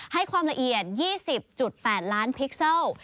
ให้ความละเอียด๒๐๘ล้านพิกเซล